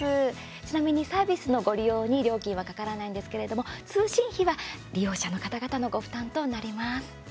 ちなみに、サービスのご利用に料金はかからないんですけれども通信費は利用者の方々のご負担となります。